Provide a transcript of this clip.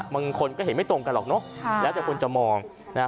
บางคนก็เห็นไม่ตรงกันหรอกเนอะแล้วแต่คนจะมองนะฮะ